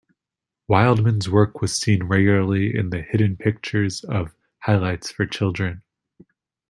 Wildman's work was seen regularly in the "Hidden Pictures" of "Highlights for Children".